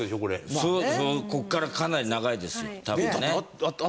そうここからかなり長いですよ多分ね。